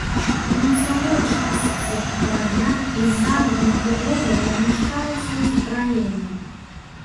У насавой частцы карабля і ззаду надбудовы размяшчалася ўзбраенне.